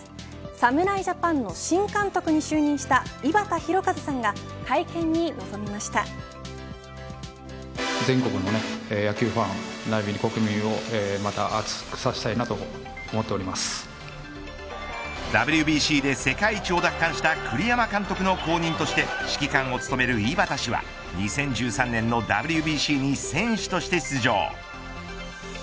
侍ジャパンの新監督に就任した井端弘和さんが会見に臨みましたＷＢＣで世界一を奪還した栗山監督の後任として指揮官を務める井端氏は２０１３年のＷＢＣに選手として出場。